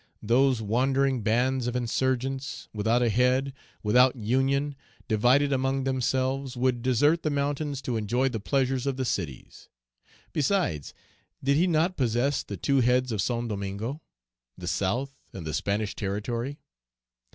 Those wandering bands of insurgents, without a head, without union, divided among themselves, would desert the mountains to enjoy the pleasures of the cities. Besides, did he not possess the two heads of Saint Domingo, the South and the Spanish territory?